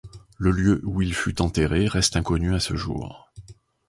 Le lieu où il fut enterré reste inconnu à ce jour.